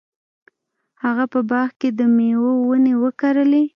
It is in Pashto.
هغه په باغ کې د میوو ونې وکرلې.